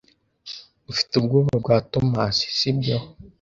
Ufite ubwoba bwa Tomasi, sibyo?